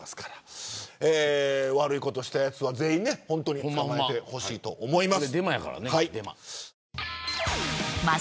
悪いことしたやつは全員捕まえてほしいと思います。